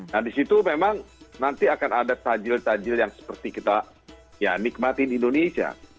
nah disitu memang nanti akan ada takjil takjil yang seperti kita nikmatin di indonesia